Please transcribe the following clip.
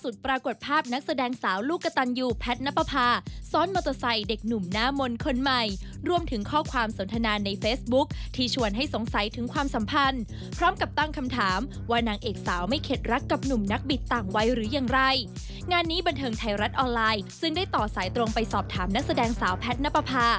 ได้ว่าฮือฮามากจะเป็นอย่างไรไปชมกันค่ะ